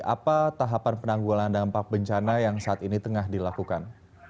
apa tahapan penanggulan dampak bencana yang saat ini tengah dilakukan